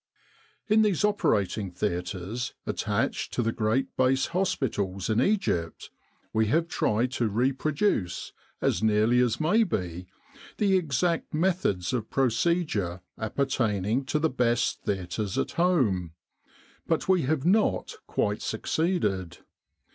11 In these operating theatres attached to the great base hospitals in Egypt we have tried to reproduce, as nearly as may be, the exact methods of procedure appertaining to the best theatres at home. But we have not quite succeeded.